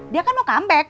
dia kan mau comeback